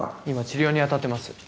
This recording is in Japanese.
今治療に当たってます。